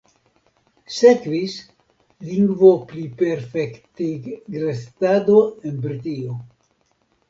Sekvis lingvopliperfektigrestado en Britio.